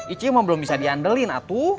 ini emang belum bisa diandelin atuh